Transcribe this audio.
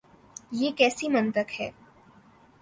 یہ کیسی منطق ہے؟